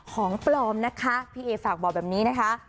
ของปลอมนะคะพี่เอฝากบอกแบบนี้นะคะ